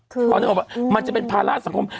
เพราะนึกออกว่ามันจะเป็นภาระสังคม